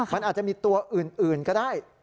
มันอาจจะมีตัวอื่นก็ได้